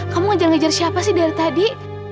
kamu ngejar ngejar siapa sih dari tadi